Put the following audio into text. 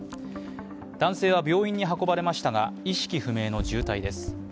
男性は病院に運ばれましたが、意識不明の重体です。